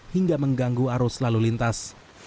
hingga mengganggu arus lalu lintas